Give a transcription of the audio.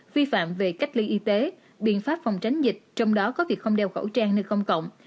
vi phạm về cách ly y tế biện pháp phòng tránh dịch trong đó có việc không đeo khẩu trang nơi công cộng